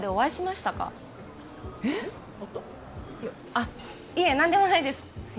あっいえ何でもないです